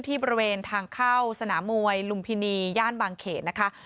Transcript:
บริเวณทางเข้าสนามมวยลุมพินีย่านบางเขตนะคะ